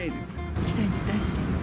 行きたいです、大好きです。